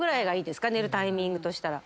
寝るタイミングとしたら。